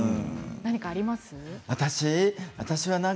何かありますか？